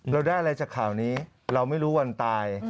เราได้อะไรจากข่าวนี้เราไม่รู้วันตาย